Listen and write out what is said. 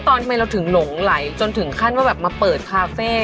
ทำไมเราถึงหลงไหลจนถึงขั้นว่าแบบมาเปิดคาเฟ่